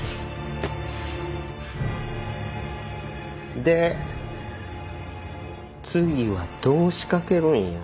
で次はどう仕掛けるんや。